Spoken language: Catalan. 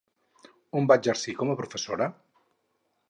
On va exercir com a professora?